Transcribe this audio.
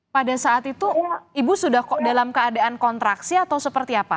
pada saat itu ibu sudah dalam keadaan kontraksi atau seperti apa